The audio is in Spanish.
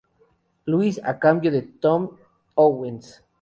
Louis a cambio de Tom Owens.